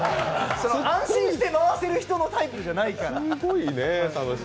その安心して回せる人のタイプじゃないから。